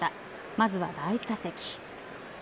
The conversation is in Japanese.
まずは第１打席。